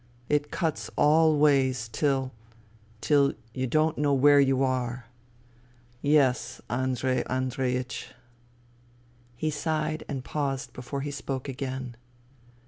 It cuts all ways, till ... till you don't know where you are. Yes, Andrei Andreiech. ..." He sighed and paused before he spoke again.